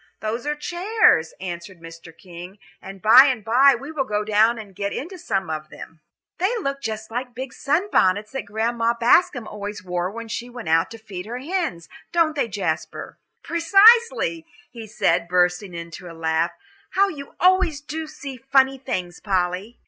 "Those are chairs," answered Mr. King, "and by and by we will go down and get into some of them." "They look just like the big sunbonnets that Grandma Bascom always wore when she went out to feed her hens, don't they, Jasper?" "Precisely," he said, bursting into a laugh. "How you always do see funny things, Polly."